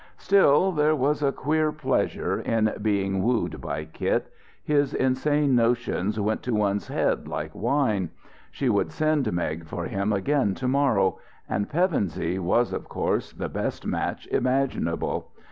Still, there was a queer pleasure in being wooed by Kit: his insane notions went to one's head like wine. She would send Meg for him again to morrow. And Pevensey was, of course, the best match imaginable....